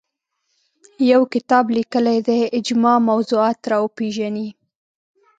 یو کتاب لیکلی دی اجماع موضوعات راوپېژني